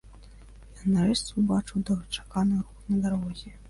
І ён, нарэшце, убачыў доўгачаканы рух на дарозе.